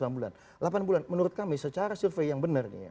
delapan bulan menurut kami secara survei yang benar nih ya